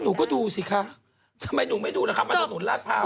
ก็หนูก็ดูสิคะทำไมหนูไม่ดูนะคะมันก็หนูราดพร้าว